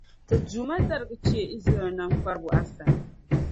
Ti Duuma darigi cheei Izraɛl nam kparibu a sani.